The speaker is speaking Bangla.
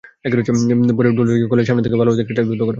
পরে ডুলাহাজারা কলেজের সামনে থেকে বালুভর্তি একটি ট্রাক জব্দ করা হয়।